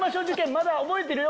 まだ覚えてるよ